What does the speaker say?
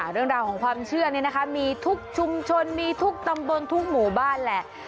เรื่องราวของความเชื่อนี่นะคะมีทุกชุมชนมีทุกตำบลทุกหมู่บ้านแหละ